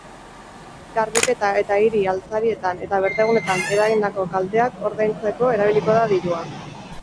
Garbiketa eta hiri-altzarietan eta berdegunetan eragindako kalteak ordaintzeko erabiliko da dirua.